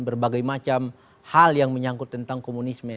berbagai macam hal yang menyangkut tentang komunisme